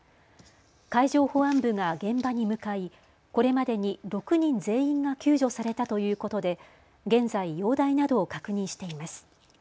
海上保安部が現場に向かいこれまでに６人全員が救助されたということで現在、容体などを確認しています。